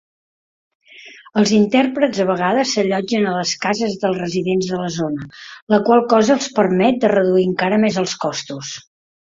Els intèrprets a vegades s'allotgen a les cases dels residents de la zona, la qual cosa els permet de reduir encara més els costos.